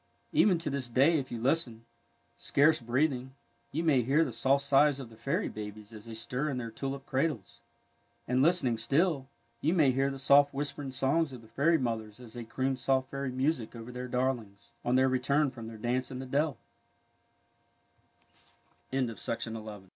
Even to this day, if you listen, scarce breath ing, you may hear the soft sighs of the fairy babies as they stir in their tulip cradles, and, listening still, you may hear the soft whisper ing songs of the fairy mothers as they croon soft fairy music over their darlings, on their return from